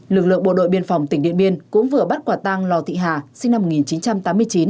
lực lượng bộ đội biên phòng tỉnh điện biên cũng vừa bắt quả tang lò thị hà sinh năm một nghìn chín trăm tám mươi chín